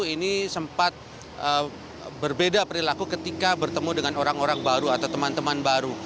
ini sempat berbeda perilaku ketika bertemu dengan orang orang baru atau teman teman baru